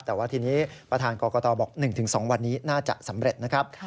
แต่ว่าทีนี้ประธานกรกตบอก๑๒วันนี้น่าจะสำเร็จนะครับ